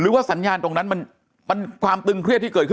ว่าสัญญาณตรงนั้นมันความตึงเครียดที่เกิดขึ้น